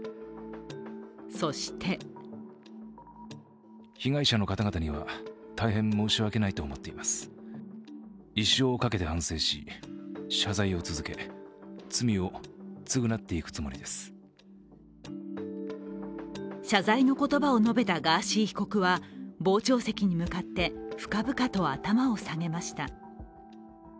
そして謝罪の言葉を述べたガーシー被告は傍聴席に向かって深々と頭を下げました。